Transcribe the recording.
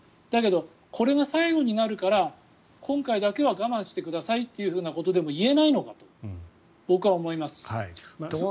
だけどこれが最後になるから今回だけは我慢してくださいということでも言えないのかと僕は思います。